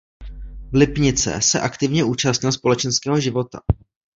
V Lipnice se aktivně účastnil společenského života.